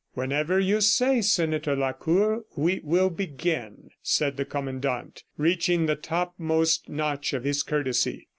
"Whenever you say, Senator Lacour, we will begin," said the Commandant, reaching the topmost notch of his courtesy.